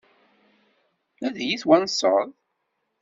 Ad iyi-twanseḍ?